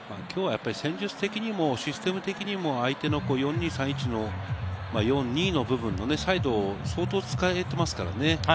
今日は戦術的にもシステム的にも相手の４−２−３−１の４ー２の部分のサイドを相当使えていますからね。